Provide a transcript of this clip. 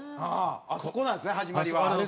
あそこなんですね始まりは。